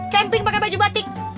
camping pake baju batik